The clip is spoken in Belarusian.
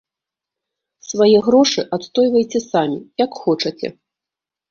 Свае грошы адстойвайце самі, як хочаце.